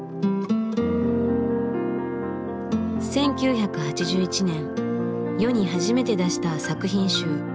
１９８１年世に初めて出した作品集。